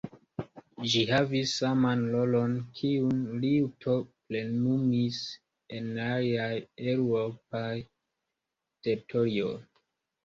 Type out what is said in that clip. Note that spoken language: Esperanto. Ĝi havis saman rolon kiun liuto plenumis en aliaj eŭropaj teritorioj.